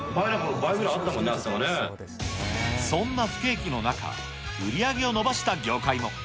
前なんか、そんな不景気の中、売り上げを伸ばした業界も。